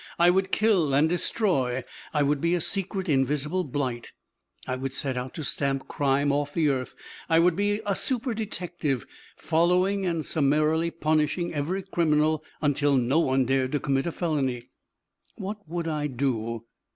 I would kill and destroy. I would be a secret, invisible blight. I would set out to stamp crime off the earth; I would be a super detective, following and summarily punishing every criminal until no one dared to commit a felony. What would I do?